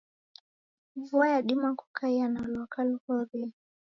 Vua yadima kukaia na lwaka luhorie.